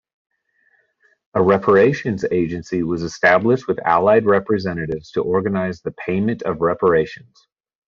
A Reparations Agency was established with Allied representatives to organize the payment of reparations.